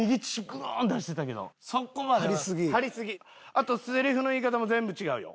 あとせりふの言い方も全部違うよ。